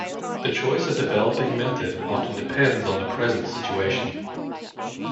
The choice of developing method often depends on the present situation.